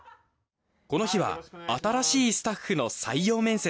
この日は新しいスタッフの採用面接。